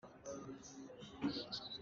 Tlangmi hi sathu an duh ngai.